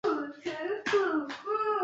欧卡是葡萄牙阿威罗区的一个堂区。